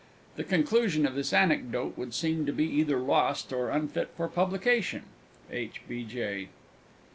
The conclusion of this anecdote would seem to be either lost, or unfit for publication. H. B. J.